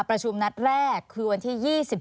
ประชุมนัดแรกคือวันที่๒๗